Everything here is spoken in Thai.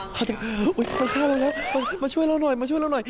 เขาจะโอ๊ยมันฆ่าเราแล้วมาช่วยเราหน่อย